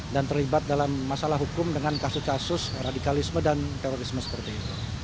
dan terlibat dalam masalah hukum dengan kasus kasus radikalisme dan terorisme seperti itu